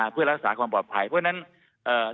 เพื่อรักษาความปลอดภัยเพราะฉะนั้นเอ่อ